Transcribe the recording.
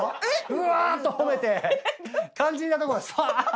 うわーっと褒めて肝心なところさーっと。